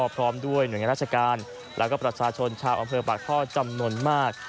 พร้อมด้วยหน่วยงานราชการแล้วก็ประชาชนชาวอำเภอปากท่อจำนวนมาก